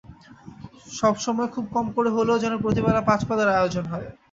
সবসময় খুব কম করে হলেও যেন প্রতি বেলা পাঁচ পদের আয়োজন হয়।